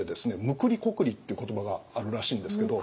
「むくりこくり」っていう言葉があるらしいんですけど。